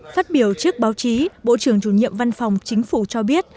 phát biểu trước báo chí bộ trưởng chủ nhiệm văn phòng chính phủ cho biết